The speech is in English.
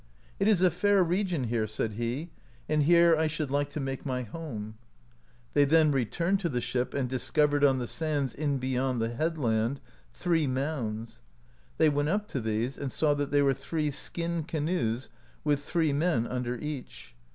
"It is a fair region here," said he, "and here I should like to make my home." They then 86 AN ENGAGEMENT WITH THE NATIVES returned to the ship and discovered on the sands, in be yond the headland, three mounds; they went up to these, and saw that they were three skin canoes, with three men under each.